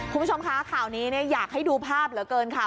คุณผู้ชมคะข่าวนี้อยากให้ดูภาพเหลือเกินค่ะ